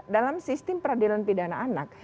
dalam sistem peradilan pidana anak